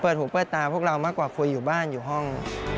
หูเปิดตาพวกเรามากกว่าคุยอยู่บ้านอยู่ห้อง